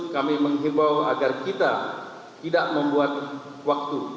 kami menghimbau agar kita tidak membuat waktu